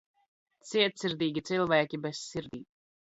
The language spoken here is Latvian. Cietsirdīgi cilvēki bez sirdīm